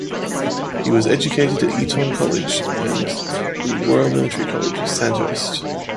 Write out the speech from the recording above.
He was educated at Eton College and the Royal Military College, Sandhurst.